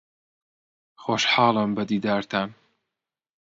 خۆشحاڵم بە دیدارتان.